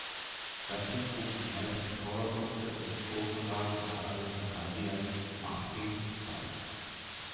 Dazu trugen die meisten Scorerpunkte und Torvorlagen unter allen Verteidigern maßgebend bei.